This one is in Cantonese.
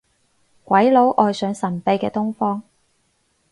鬼佬愛上神秘嘅東方